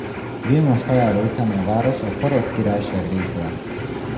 Vilmos halála után a város a Porosz Királyság része lett.